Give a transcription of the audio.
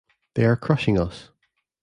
They are crushing us.